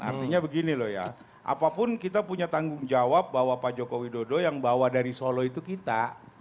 artinya begini loh ya apapun kita punya tanggung jawab bahwa pak joko widodo yang bawa dari solo itu kita